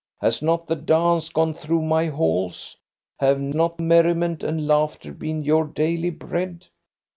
Has not the dance gone through my halls? Have not merriment and laughter been your daily bread?